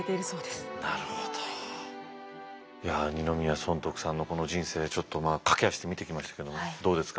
二宮尊徳さんのこの人生ちょっと駆け足で見てきましたけどどうですか？